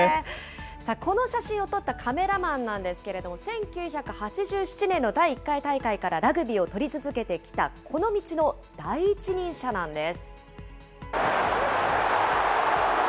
この写真を撮ったカメラマンなんですけれども、１９８７年の第１回大会からラグビーを撮り続けてきた、この道の第一人者なんです。